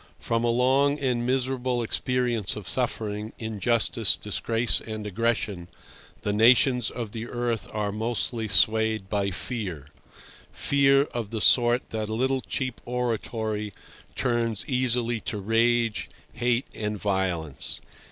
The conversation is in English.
From a long and miserable experience of suffering, injustice, disgrace and aggression the nations of the earth are mostly swayed by fear—fear of the sort that a little cheap oratory turns easily to rage, hate, and violence.